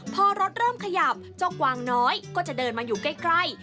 พอรถเริ่มขยับเจ้ากวางน้อยก็จะเดินมาอยู่ใกล้